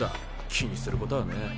気にすることはねえ。